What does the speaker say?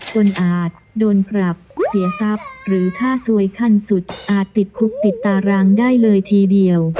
อาจโดนปรับเสียทรัพย์หรือถ้าซวยขั้นสุดอาจติดคุกติดตารางได้เลยทีเดียว